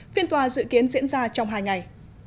phiên tòa dự kiến diễn ra trong hai ngày